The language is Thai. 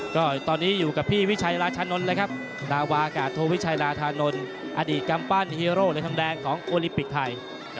ก็ตอนนี้อยู่กับพี่วิชัยราชานนท์เลยครับนาวากาศโทวิชัยราธานนท์อดีตกำปั้นฮีโร่เหรียญทองแดงของโอลิมปิกไทย